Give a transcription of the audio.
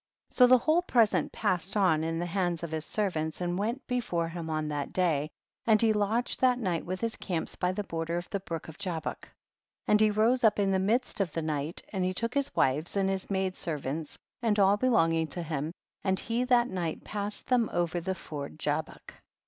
47. So the whole present passed on in the hands of his servants, and went before him on that day, and he lodged that night with his camps by the border of the brook of Jabuk, and he rose up in the midst of the night, and he took his wives and his maid servants, and all belonging to him, and he that night passed them over the ford Jabuk.